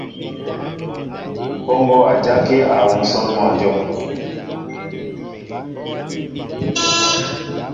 Mpoŋo a jaki a huu nsón mwănjóm.